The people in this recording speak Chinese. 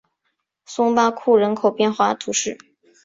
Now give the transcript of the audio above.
松巴库人口变化图示